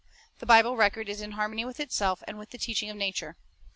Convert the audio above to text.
The Bible record is in harmony with itself and with the teaching of nature.